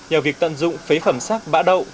nhờ việc tận dụng phế phẩm sắc bã đậu